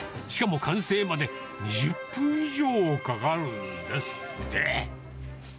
しかも完成まで２０分以上かかるんですって。